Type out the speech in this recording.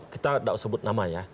kita tidak sebut nama ya